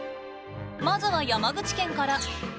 まずは山口県から。